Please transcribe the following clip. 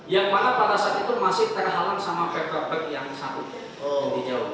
yang mana pada saat itu masih terhalang sama paper bag yang satu